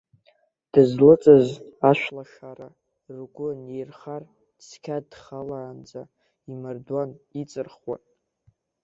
Дызлыҵыз ашәлашараа ргәы нирхар, цқьа дхалаанӡа, имардуан иҵырхуан.